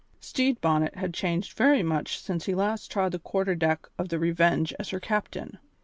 Stede Bonnet had changed very much since he last trod the quarter deck of the Revenge as her captain.